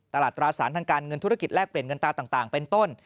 ตราสารทางการเงินธุรกิจแลกเปลี่ยนเงินตาต่างเป็นต้น